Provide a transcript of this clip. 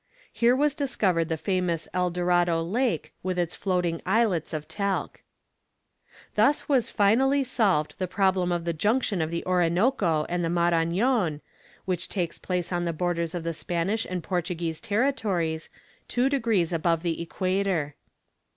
Here was discovered the famous El Dorado lake, with its floating islets of talc. Thus was finally solved the problem of the junction of the Orinoco and the Marañon, which takes place on the borders of the Spanish and Portuguese territories, two degrees above the equator.